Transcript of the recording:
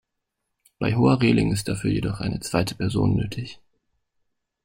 Bei hoher Reling ist dafür jedoch eine zweite Person nötig.